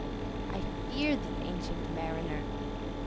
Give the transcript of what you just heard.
"I fear thee, ancient Mariner!"